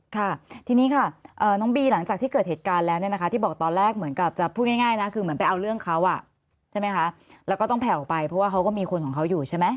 ค่ะทีนี้ค่ะน้องบีหลังจากที่เกิดเหตุการณ์แล้วเนี่ยนะคะที่บอกตอนแรกเหมือนกับจะพูดง่ายนะคือเหมือนไปเอาเรื่องเขาใช่ไหมคะแล้วก็ต้องแผ่วไปเพราะว่าเขาก็มีคนของเขาอยู่ใช่ไหม